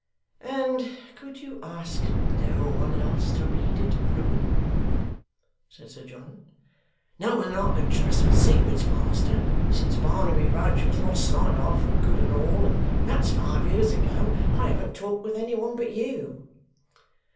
'And could you ask no one else to read it, Bruin?' said Sir John. 'No one that I could trust with secrets, master. Since Barnaby Rudge was lost sight of for good and all and that's five years ago I haven't talked with any one but you.